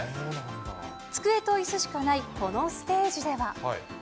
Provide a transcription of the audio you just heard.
机といすしかない、このステージでは。